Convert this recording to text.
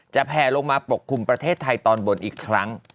แผลลงมาปกคลุมประเทศไทยตอนบนอีกครั้ง